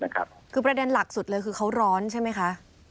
คือประเด็นหลักสุดเลยคือเขาร้อนใช่ไหมคะ